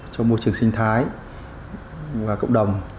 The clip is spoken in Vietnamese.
cho môi trường sinh thái và cộng đồng